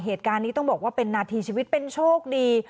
เหตุการณ์นี้ต้องบอกว่าเป็นนาทีชีวิตเป็นโชคดี